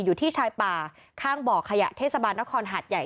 อยู่ที่ชายป่าข้างบ่อขยะเทศบาลนครหาดใหญ่